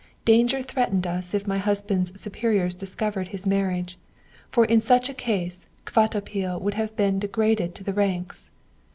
Danger threatened us if my husband's superiors discovered his marriage, for in such a case Kvatopil would have been degraded to the ranks.